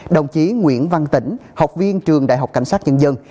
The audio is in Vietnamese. đồng chí nguyễn văn tỉnh học viên trường đại học cảnh sát nhân dân